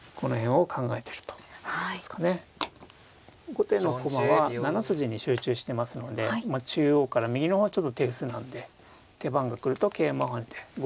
後手の駒は７筋に集中してますので中央から右の方がちょっと手薄なんで手番が来ると桂馬を跳ねて５三桂成とか。